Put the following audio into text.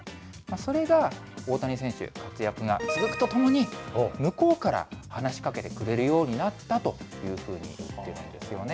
それが大谷選手の活躍が続くとともに、向こうから話しかけてくれるようになったというふうに言っているんですよね。